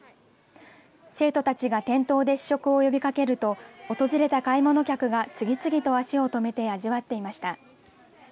生徒たちが店頭で試食を呼びかけると訪れた買い物客が次々と足を止めて味わっていました。